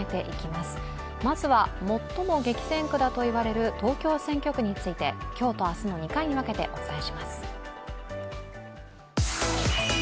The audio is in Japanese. まずは最も激戦区だと言われる東京選挙区について今日と明日の２回に分けてお伝えします。